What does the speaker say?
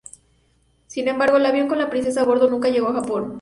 Sin embargo, el avión con la princesa a bordo nunca llegó a Japón.